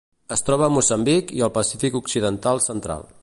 Es troba a Moçambic i el Pacífic occidental central.